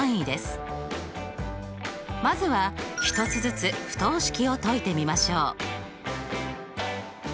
まずは１つずつ不等式を解いてみましょう。